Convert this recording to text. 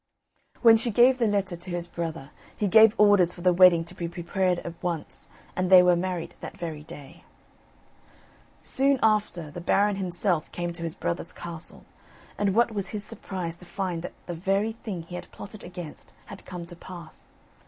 When she gave the letter to his brother, he gave orders for the wedding to be prepared at once, and they were married that very day. Soon after, the Baron himself came to his brother's castle, and what was his surprise to find that the very thing he had plotted against had come to pass.